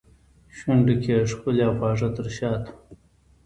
شونډو کې ښکلي او خواږه تر شاتو